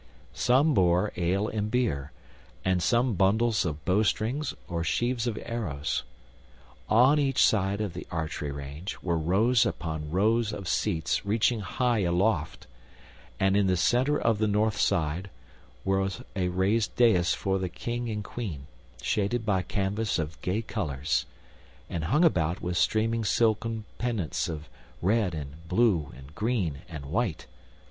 Some bore ale and beer, and some bundles of bowstrings or sheaves of arrows. On each side of the archery range were rows upon rows of seats reaching high aloft, and in the center of the north side was a raised dais for the King and Queen, shaded by canvas of gay colors, and hung about with streaming silken pennants of red and blue and green and white.